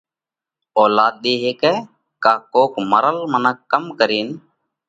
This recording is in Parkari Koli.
اولاڌ ۮي هيڪئه؟ ڪا ڪوڪ مرل منک ڪم ڪرينَ